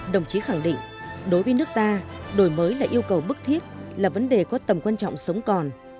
đồng chí khẳng định đối với nước ta đổi mới là yêu cầu bức thiết là vấn đề có tầm quan trọng sống còn